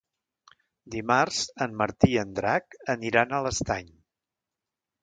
Dimarts en Martí i en Drac aniran a l'Estany.